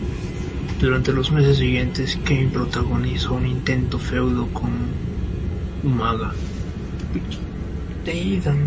Durante los meses siguientes Kane protagonizó un intenso feudo con Umaga.